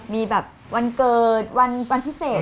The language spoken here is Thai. มีแบบวันเกิดวันพิเศษ